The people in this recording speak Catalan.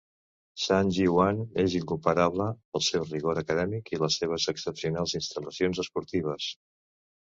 Sanjeewan és incomparable pel seu rigor acadèmic i les seves excepcionals instal·lacions esportives.